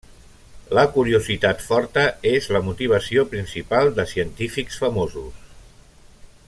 La curiositat forta és la motivació principal de científics famosos.